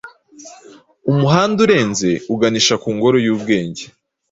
Umuhanda urenze uganisha ku ngoro y'ubwenge.